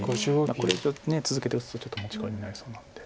これ以上続けて打つとちょっと持ち込みになりそうなので。